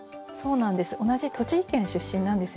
同じ栃木県出身なんですよね。